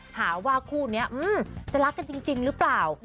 หาว่าคู่นี้จะรักกันจริงหรือเปล่า